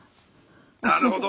なるほど。